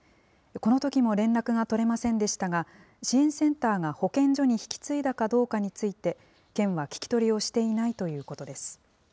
このときも連絡が取れませんでしたが、支援センターが保健所に引き継いだかどうかについて、県は聞き取りをしていないということです。